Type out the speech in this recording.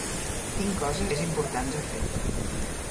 Tinc coses més importants a fer.